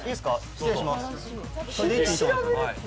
失礼します。